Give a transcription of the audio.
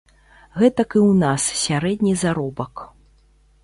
Гэтак і ў нас сярэдні заробак.